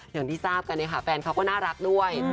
อย่างที่ทราบกันเนี่ยค่ะแฟนเขาก็น่ารักด้วย